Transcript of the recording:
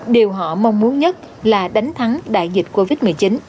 điều họ mong muốn nhất là đánh thắng đại dịch covid một mươi chín